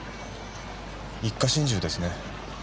一家心中ですね。